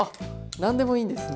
何でもいいんですね。